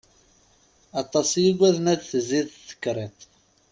Aṭas i yugaden ad tzid tekriṭ.